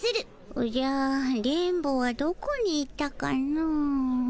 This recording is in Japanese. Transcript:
おじゃ電ボはどこに行ったかの？